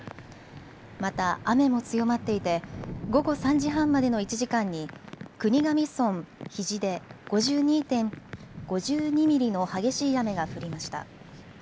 また雨も強まっていて午後３時半までの１時間に国頭村比地で５２ミリの激しい雨が降りました。